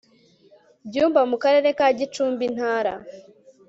byumba mu karere ka gicumbi intara